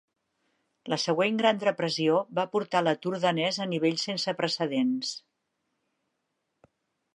La següent Gran Depressió va portar l'atur danès a nivells sense precedents.